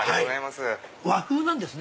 和風なんですね？